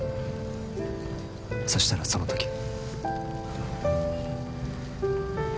そしたらその時。